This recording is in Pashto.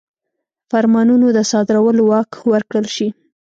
فرمانونو د صادرولو واک ورکړل شي.